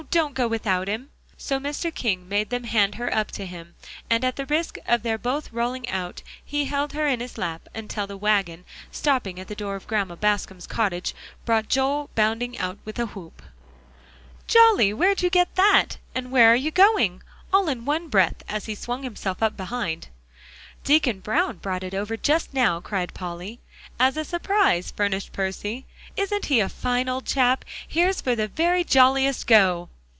don't go without him." So Mr. King made them hand her up to him, and at the risk of their both rolling out, he held her in his lap until the wagon, stopping at the door of Grandma Bascom's cottage, brought Joel bounding out with a whoop. "Jolly! where'd you get that, and where are you going?" all in one breath, as he swung himself up behind. "Deacon Brown brought it over just now," cried Polly. "As a surprise," furnished Percy. "Isn't he a fine old chap? Here's for the very jolliest go!"